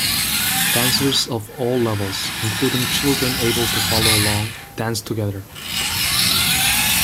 Dancers of all levels; including children able to follow along, dance together.